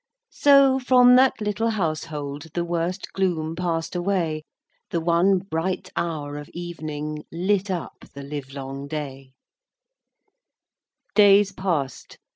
So, from that little household The worst gloom pass'd away, The one bright hour of evening Lit up the livelong day. VIII. Days passed.